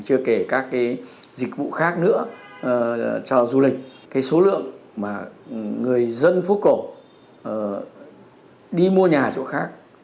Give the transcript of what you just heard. chưa kể các cái dịch vụ khác nữa cho du lịch cái số lượng mà người dân phố cổ đi mua nhà chỗ khác